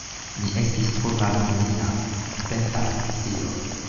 Mi estis tro malhumila: mi pentas pri tio.